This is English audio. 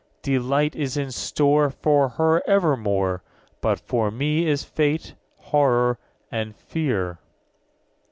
'Delight is in store For her evermore; But for me is fate, horror, and fear.'